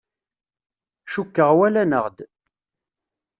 Cukkeɣ walan-aɣ-d.